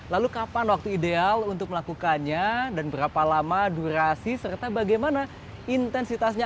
lalu kapan waktu ideal untuk melakukannya dan berapa lama durasi serta bagaimana intensitasnya